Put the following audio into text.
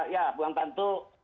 ya bukan tentu